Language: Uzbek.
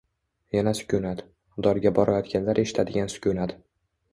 Yana sukunat. Dorga borayotganlar eshitadigan sukunat.